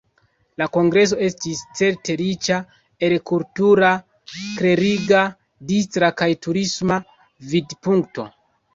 La kongreso estis certe riĉa, el kultura, kleriga, distra kaj turisma vidpunkto.